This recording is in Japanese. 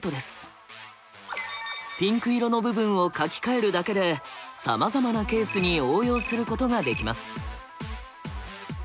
ピンク色の部分を書きかえるだけでさまざまなケースに応用することができます。